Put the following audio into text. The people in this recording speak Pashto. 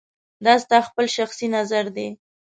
دا ستا خپل شخصي نظر دی